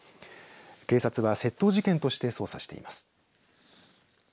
警察は窃盗事件として捜査しています。